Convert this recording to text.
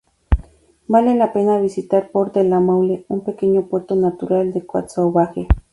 Vale la pena visitar Port-de-la-Meule, un pequeño puerto natural en la Côte Sauvage.